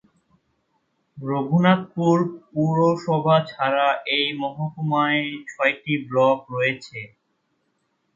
রঘুনাথপুর পুরসভা ছাড়া এই মহকুমায় ছয়টি ব্লক রয়েছে।